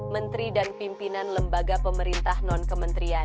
menteri dan pimpinan lembaga pemerintah non kementerian